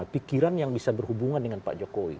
pikiran yang bisa berhubungan dengan pak jokowi